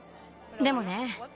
でもね